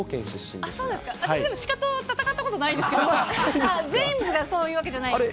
私でも、シカと戦ったことないですけど、全部がそういうわけじゃない。